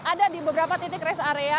ada di beberapa titik rest area